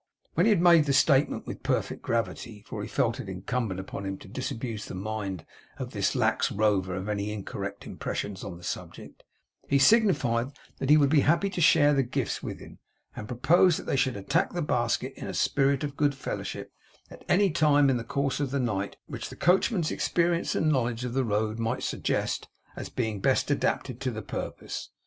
When he had made the statement with perfect gravity; for he felt it incumbent on him to disabuse the mind of this lax rover of any incorrect impressions on the subject; he signified that he would be happy to share the gifts with him, and proposed that they should attack the basket in a spirit of good fellowship at any time in the course of the night which the coachman's experience and knowledge of the road might suggest, as being best adapted to the purpose.